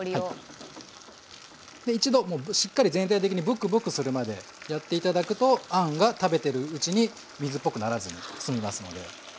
で一度しっかり全体的にブクブクするまでやって頂くとあんが食べてるうちに水っぽくならずに済みますので。